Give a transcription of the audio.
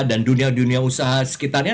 dan dunia dunia usaha sekitarnya